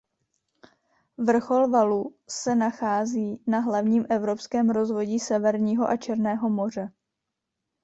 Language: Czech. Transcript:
Vrchol Valu se nachází na hlavním evropském rozvodí Severního a Černého moře.